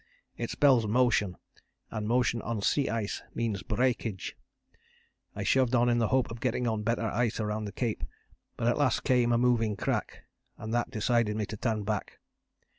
It spells motion, and motion on sea ice means breakage. I shoved on in the hope of getting on better ice round the cape, but at last came a moving crack, and that decided me to turn back.